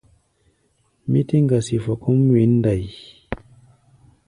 Mí tɛ́ ŋgasi fɔ kɔ́ʼm wěn ndai.